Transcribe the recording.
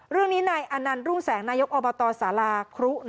เรื่องนี้นายอานันต์รุ่งแสงนายกอบตสาราครุ